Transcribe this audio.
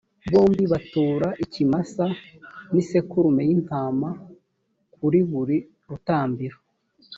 bombi batura ikimasa n’isekurume y’intama kuri buri rutambiro.